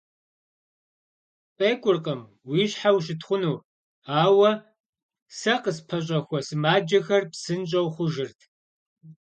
КъекӀуркъым уи щхьэ ущытхъуну, ауэ сэ къыспэщӀэхуэ сымаджэхэр псынщӀэу хъужырт.